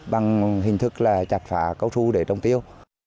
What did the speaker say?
bằng hình thức là chặt phá câu ru để trồng tiêu